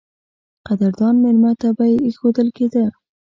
قدردان مېلمه ته به اېښودل کېده.